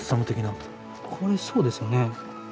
これそうですよね。